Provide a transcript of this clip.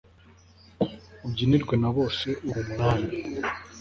ubyinirwe na bose, uri umwami